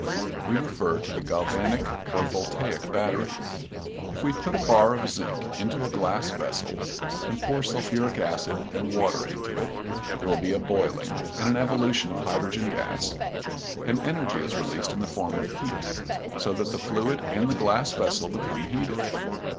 We refer to the galvanic or voltaic battery. If we put a bar of zinc into a glass vessel and pour sulphuric acid and water into it, there will be a boiling, and an evolution of hydrogen gas, and energy is released in the form of heat, so that the fluid and the glass vessel become heated.